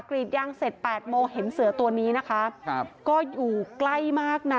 กรีดยางเสร็จแปดโมงเห็นเสือตัวนี้นะคะครับก็อยู่ใกล้มากนะ